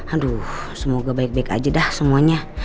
aduh semoga baik baik aja dah semuanya